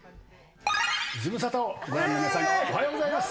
ズムサタをご覧の皆さん、おはようございます。